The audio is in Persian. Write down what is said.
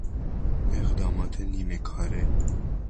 اقدامات نیمه کاره